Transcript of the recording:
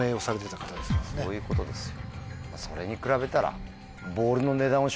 そういうことですよ。